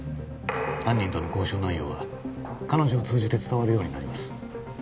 犯人との交渉内容は彼女を通じて伝わるようになります